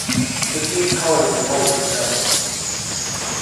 The team's colors are white and red.